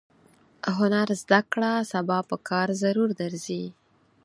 هنر زده کړه سبا پکار ضرور درځي.